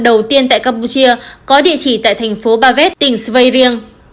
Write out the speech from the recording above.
đầu tiên tại campuchia có địa chỉ tại thành phố bavet tỉnh svayriang